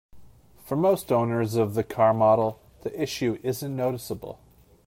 For most owners of the car model, the issue isn't noticeable.